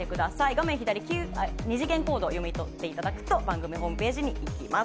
画面左の二次元コードを読み取っていただくと番組ホームページにいきます。